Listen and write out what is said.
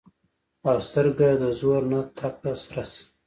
او سترګه د زور نه تکه سره شي